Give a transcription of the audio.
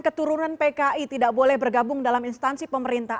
keturunan pki tidak boleh bergabung dalam instansi pemerintah